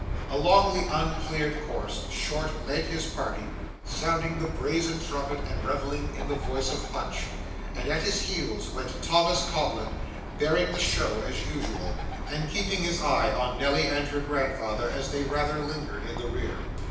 Along the uncleared course, Short led his party, sounding the brazen trumpet and revelling in the voice of Punch; and at his heels went Thomas Codlin, bearing the show as usual, and keeping his eye on Nelly and her grandfather, as they rather lingered in the rear.